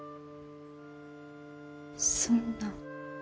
そんな。